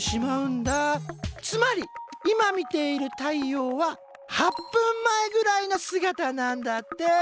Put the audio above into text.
つまり今見ている太陽は８分前ぐらいの姿なんだって。